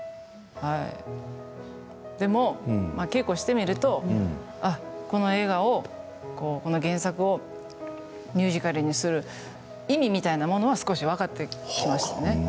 稽古をしてみるとこの映画を、この原作をミュージカルにする意味みたいなものは少し分かってきましたね。